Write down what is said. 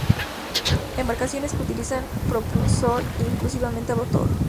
Embarcaciones que utilizan propulsión exclusivamente a motor.